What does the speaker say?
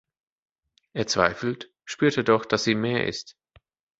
Er zweifelt, spürt er doch, dass sie mehr ist.